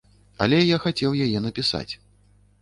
Але я хацеў яе напісаць.